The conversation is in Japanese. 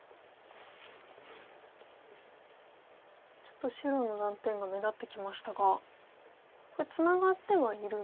ちょっと白の断点が目立ってきましたがこれツナがってはいるんですか？